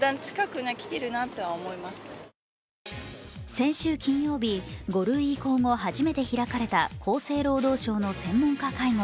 先週金曜日、５類以降後初めて開かれた厚生労働省の専門家会合。